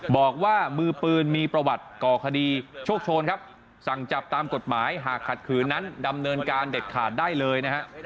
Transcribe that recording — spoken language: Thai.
บอกว่ามือปืนมีประวัติก่อคดีโชคโชนครับสั่งจับตามกฎหมายหากขัดขืนนั้นดำเนินการเด็ดขาดได้เลยนะฮะ